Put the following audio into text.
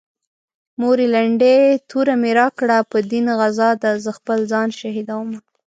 مورې لنډۍ توره مې راکړه په دين غزا ده زه خپل ځان شهيدومه